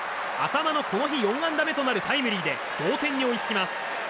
淺間のこの日４安打目となるタイムリーで同点に追いつきます。